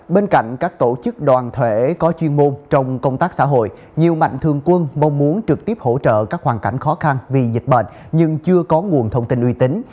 bên cạnh các tổ chức đoàn thể có chuyên môn trong công tác xã hội nhiều mạnh thường quân mong muốn trực tiếp hỗ trợ các hoàn cảnh khó khăn vì dịch bệnh nhưng chưa có nguồn thông tin uy tín